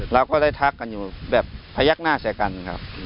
เราก็ได้ทักกันอยู่แบบพยักหน้าแชร์กันครับ